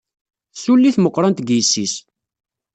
Tessulli tmeqrant deg yessi-s.